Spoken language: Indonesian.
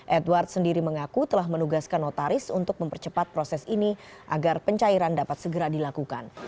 edward sendiri mengaku telah menugaskan notaris untuk mempercepat proses ini agar pencairan dapat segera dilakukan